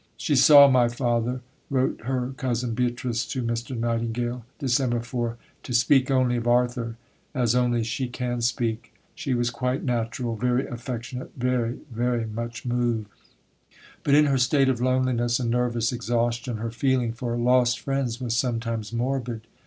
"She saw my father," wrote her cousin Beatrice to Mr. Nightingale (Dec. 4), "to speak only of Arthur, as only she can speak. She was quite natural, very affectionate, very, very much moved." But in her state of loneliness and nervous exhaustion her feeling for lost friends was sometimes morbid.